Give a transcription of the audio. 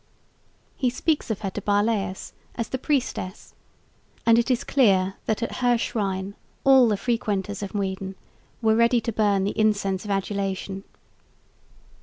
He speaks of her to Barlaeus as "the priestess"; and it is clear that at her shrine all the frequenters of Muiden were ready to burn the incense of adulation.